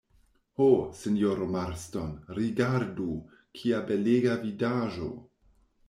Ho, sinjoro Marston, rigardu, kia belega vidaĵo!